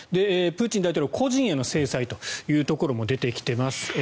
プーチン大統領個人への制裁というところも出てきています。